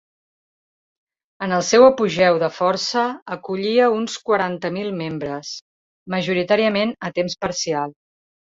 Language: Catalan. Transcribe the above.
En el seu apogeu de força acollia uns quaranta mil membres, majoritàriament a temps parcial.